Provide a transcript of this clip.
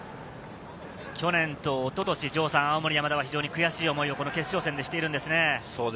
去年と一昨年、青森山田は非常に悔しい思いを決勝戦でしているんですね。